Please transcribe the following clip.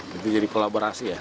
jadi jadi kolaborasi ya